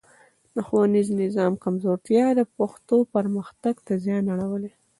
د ښوونیز نظام کمزورتیا د پښتو پرمختګ ته زیان اړولی.